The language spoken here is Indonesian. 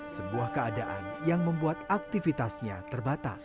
sebuah keadaan yang membuat aktivitasnya terbatas